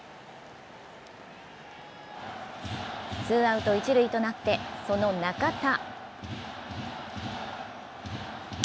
ツーアウト一塁となってその中田。